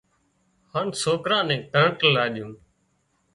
هانَ سوڪرا نين ڪرنٽ لاڄون